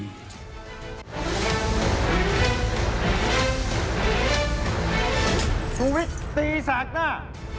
สุวิทย์ตีสากหน้า